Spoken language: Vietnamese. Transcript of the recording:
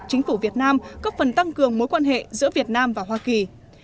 chính phủ việt nam góp phần tăng cường mối quan hệ giữa việt nam và hoa kỳ